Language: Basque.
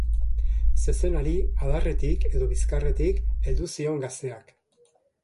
Zezenari adarretik edo bizkarretik heldu zion gazteak.